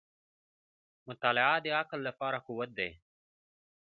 • مطالعه د عقل لپاره قوت دی.